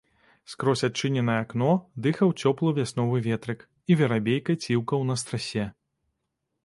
Скрозь адчыненае акно дыхаў цёплы вясновы ветрык, і верабейка ціўкаў на страсе.